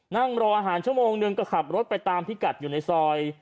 นั่งรออาหารชั่วโมงหนึ่งก็ขับรถไปตามพิกัดอยู่ในซอย